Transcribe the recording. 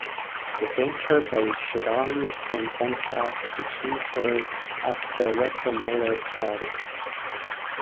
The denture base should only extend one-half to two-thirds up the retromolar pad.